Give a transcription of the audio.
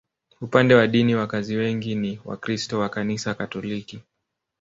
Upande wa dini, wakazi wengi ni Wakristo wa Kanisa Katoliki.